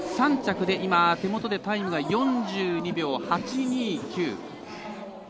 ３着で、今手元でタイムが４２秒８２９。